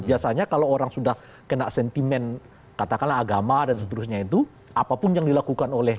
biasanya kalau orang sudah kena sentimen katakanlah agama dan seterusnya itu apapun yang dilakukan oleh